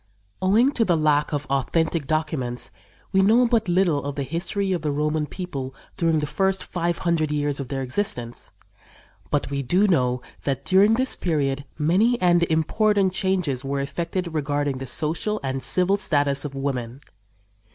Owing to the lack of authentic documents we know but little of the history of the Roman people during the first five hundred years of their existence, but we do know that during this period many and important changes were effected regarding the social and civil status of women.